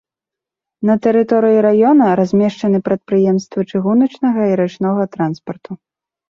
На тэрыторыі раёна размешчаны прадпрыемствы чыгуначнага і рачнога транспарту.